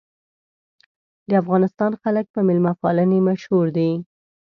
د افغانستان خلک په میلمه پالنې مشهور دي.